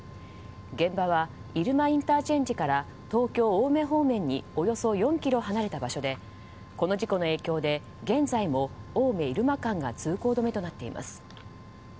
現場は入間ＩＣから東京・青梅方面におよそ４ｋｍ離れた場所でこの事故の影響で現在も青梅入間間が通行止めとなっています。